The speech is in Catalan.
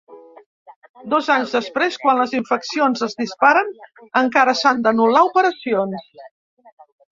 Dos anys després, quan les infeccions es disparen encara s’han d’anul·lar operacions.